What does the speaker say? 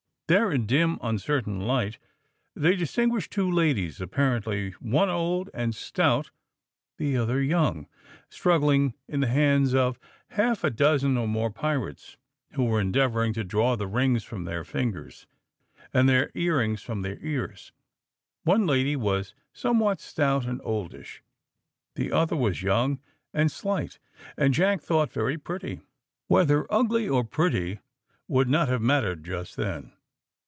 There, in dim uncertain light, they distinguished two ladies, apparently one old and stout, the other young, struggling in the hands of half a dozen or more pirates, who were endeavouring to draw the rings from their fingers, and their earrings from their ears. One lady was somewhat stout and oldish, the other was young and slight, and Jack thought very pretty. Whether ugly or pretty would not have mattered just then.